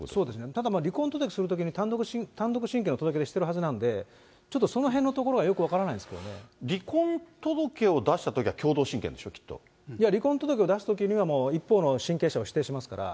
ただ離婚届するときに、単独親権の届け出してるはずなんで、ちょっとそのへんのところがよく分からないんですけ離婚届を出したときは共同親いや、離婚届を出すときには、もう一方の親権者を指定しますから。